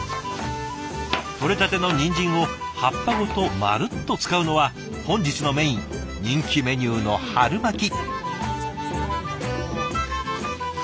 とれたてのニンジンを葉っぱごとまるっと使うのは本日のメイン人気メニューの春巻き！